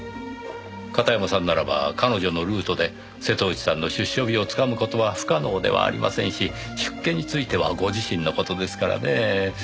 片山さんならば彼女のルートで瀬戸内さんの出所日をつかむ事は不可能ではありませんし出家についてはご自身の事ですからねぇ。